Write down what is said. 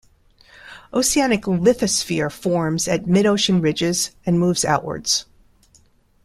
Oceanic lithosphere forms at mid-ocean ridges and moves outwards.